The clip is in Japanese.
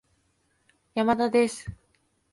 山田です